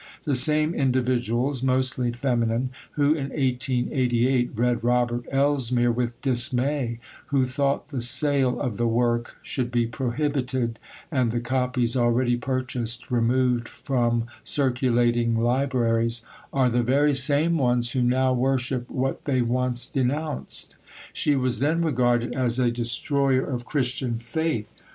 The same individuals (mostly feminine) who in 1888 read Robert Elsmere with dismay, who thought the sale of the work should be prohibited, and the copies already purchased removed from circulating libraries, are the very same ones who now worship what they once denounced. She was then regarded as a destroyer of Christian faith.